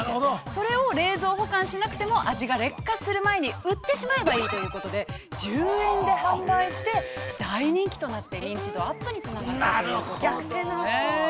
それを冷蔵保管しなくても味が劣化する前に売ってしまえばいいということで１０円で販売して大人気となって認知度アップにつながったということですね。